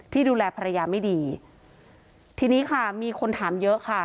ดูแลภรรยาไม่ดีทีนี้ค่ะมีคนถามเยอะค่ะ